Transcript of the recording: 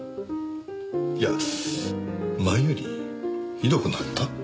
いや前よりひどくなった？